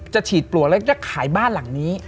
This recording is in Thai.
ฉีดปลวกแล้วจะขายบ้านหลังนี้